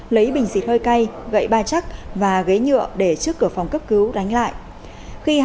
lấy bình xịt hơi cay gậy ba chắc và ghế nhựa để trước cửa phòng cấp cứu đánh lại